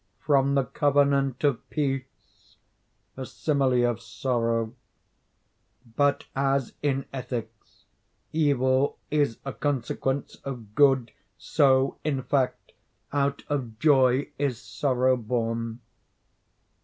—from the covenant of peace, a simile of sorrow? But as, in ethics, evil is a consequence of good, so, in fact, out of joy is sorrow born.